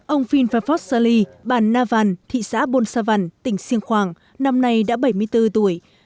ông phin phaphot salih bàn navan thị xã bolsavan tỉnh siêng khoang năm nay đã bảy mươi bốn tuổi